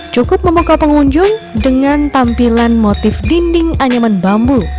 cukup memukau pengunjung dengan tampilan motif dinding anyaman bambu